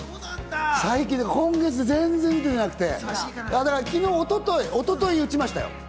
今月、全然撃ててなくて、昨日、一昨日、一昨日撃ちましたよ。